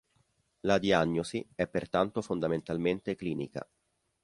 La diagnosi è pertanto fondamentalmente clinica.